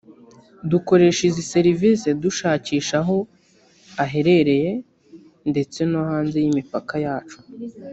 dukoresha izi serivisi dushakisha aho aherereye ndetse no hanze y’imipaka yacu